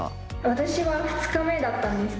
私は２日目だったんですけど。